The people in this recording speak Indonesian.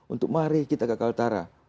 untuk mari kita ke kaltara